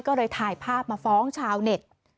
ก็เลยถ่ายภาพมาฟ้องชาวเน็ต